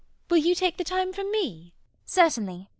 Will you take the time from me? CECILY. Certainly.